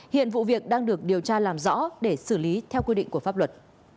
hiện vụ việc đang được điều tra làm rõ để xử lý theo quy định của pháp luật